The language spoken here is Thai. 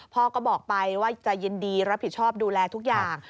พ่อก็บอกไปว่าจะยินดีรับผิดชอบดูแลทุกอย่าง